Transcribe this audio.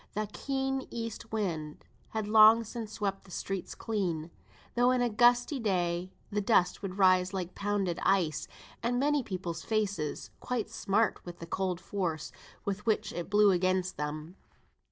The keen east wind had long since swept the streets clean, though on a gusty day the dust would rise like pounded ice, and make people's faces quite smart with the cold force with which it blew against them.